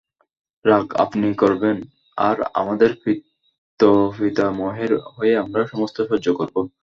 রাগ আপনি করবেন–আর আমাদের পিতৃপিতামহের হয়ে আমরা সমস্ত সহ্য করব!